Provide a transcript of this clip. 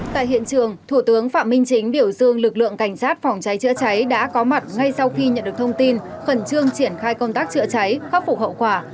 tại hiện trường thủ tướng phạm minh chính biểu dương lực lượng cảnh sát phòng cháy chữa cháy đã có mặt ngay sau khi nhận được thông tin khẩn trương triển khai công tác chữa cháy khắc phục hậu quả